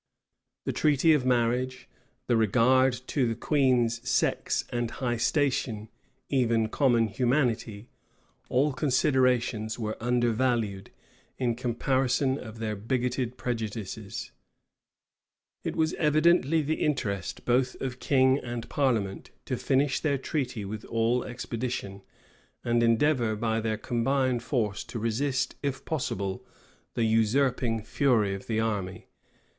The treaty of marriage, the regard to the queen's sex and high station, even common humanity; all considerations were undervalued, in comparison of their bigoted prejudices.[*] * See note S, at the end of the volume. It was evidently the interest, both of king and parliament, to finish their treaty with all expedition; and endeavor by their combined force to resist, if possible, the usurping fury of the army.